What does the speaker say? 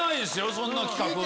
そんな企画。